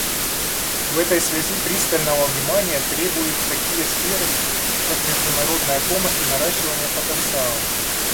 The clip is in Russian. В этой связи пристального внимания требуют такие сферы, как международная помощь и наращивание потенциала.